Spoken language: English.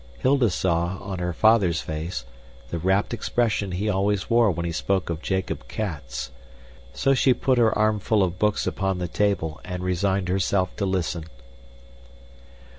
Hilda saw, on her father's face, the rapt expression he always wore when he spoke of Jakob Cats, so he put her armful of books upon the table and resigned herself to listen.